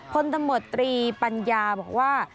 พลตำรวจตรีปัญญาบอกว่า